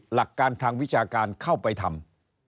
หลักการทางวิชาการเข้าไปทำ